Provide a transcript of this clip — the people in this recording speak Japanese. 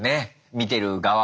見てる側は。